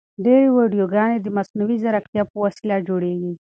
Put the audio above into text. ډېرې ویډیوګانې د مصنوعي ځیرکتیا په وسیله جوړیږي.